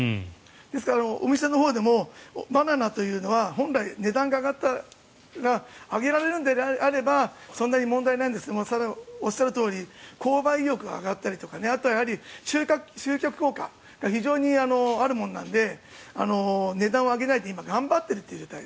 ですから、お店のほうでもバナナというのは本来値段が上がったら上げられるのであればそんなに問題ないんですがおっしゃるとおり購買意欲が上がったりとかあとはやはり、集客効果が非常にあるものなので値段を上げないで今、頑張っているという状態。